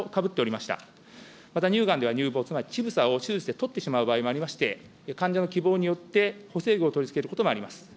また乳がんでは乳房、乳房を手術で取ってしまう場合もありまして、患者の希望によって補正具を取り付けることもございます。